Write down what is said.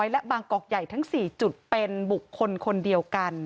และบางกอกใหญ่ทั้ง๔จุดเป็นบุคคลคนเดียวกัน